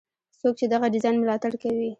څوک چې دغه ډیزاین ملاتړ کوي.